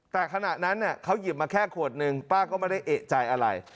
แต่ขณะนั้นเขาหยิบมาแค่ขวดนึงป้าก็ไม่ได้เอกใจอะไร